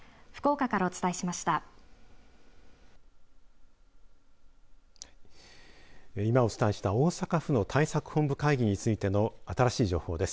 今、お伝えした大阪府の対策本部会議についての新しい情報です。